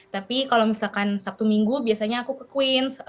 tapi kalau misalkan sabtu minggu biasanya aku ke queens